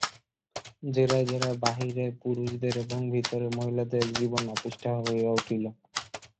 জেরায় জেরায় বাহিরে পুরুষদের এবং ভিতরে মেয়েদের জীবন অতিষ্ঠ হইয়া উঠিল।